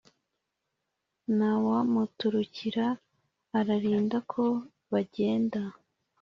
Ntawamuturukira, ararinda ko bagenda